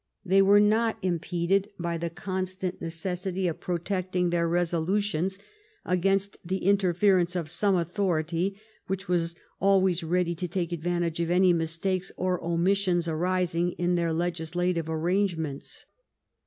They were not impeded by the constant neces sity of protecting their resolutions against the inter ference of some authority which was always ready to take advantage of any mistakes or omissions arising in their legislative arrangements.